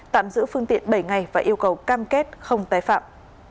tạm giữ phương tiện bảy ngày và yêu cầu cam kết không tái phạm